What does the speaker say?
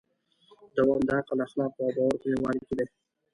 دوام د عقل، اخلاقو او باور په یووالي کې دی.